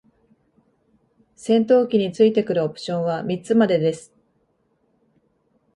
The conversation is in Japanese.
戦闘機に付いてくるオプションは三つまでです。